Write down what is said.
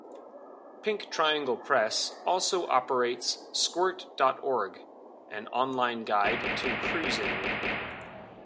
Pink Triangle Press also operates squirt dot org, an online guide to cruising.